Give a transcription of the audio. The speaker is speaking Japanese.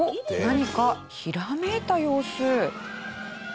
何かひらめいた様子。